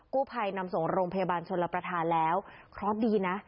กู้ภัยนำส่งโรงพยาบาลชนรับประทานแล้วเคราะห์ดีนะ